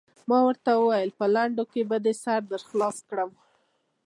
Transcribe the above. ما ورته وویل: په لنډو کې به دې سر در خلاص کړم.